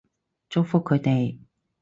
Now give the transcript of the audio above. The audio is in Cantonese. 祝福佢哋